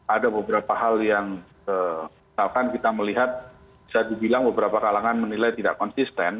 ada beberapa hal yang misalkan kita melihat bisa dibilang beberapa kalangan menilai tidak konsisten